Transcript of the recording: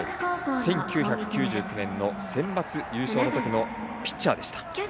１９９９年のセンバツ優勝のときのピッチャーでした。